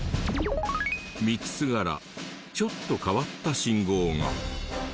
道すがらちょっと変わった信号が。